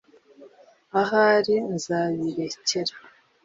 ahari, nzabirekera